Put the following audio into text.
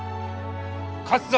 勝つぞ！